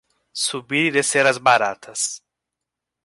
Subir e descer as baratas.